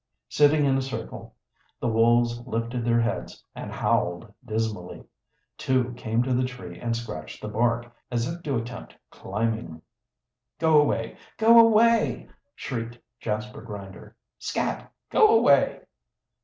Sitting in a circle, the wolves lifted their heads and howled dismally. Two came to the tree and scratched the bark, as if to attempt climbing. "Go away! Go away!" shrieked Jasper Grinder. "Scat! Go away!"